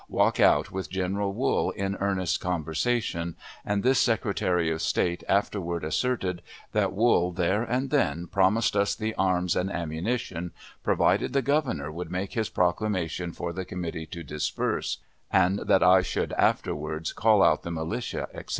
walk out with General Wool in earnest conversation, and this Secretary of State afterward asserted that Wool there and then promised us the arms and ammunition, provided the Governor would make his proclamation for the committee to disperse, and that I should afterward call out the militia, etc.